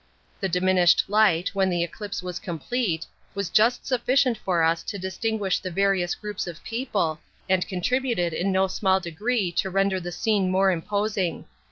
The diminished light, when the eclipse was complete, was just sufficient for us to distinguish the various groups of people, and contributed in no small degree to render the scene more imposing.